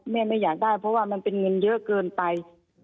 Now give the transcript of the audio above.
แม่ไม่อยากได้เพราะว่ามันเป็นเงินเยอะเกินไป